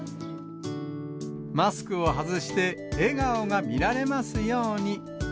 マスクを外して笑顔が見られますように。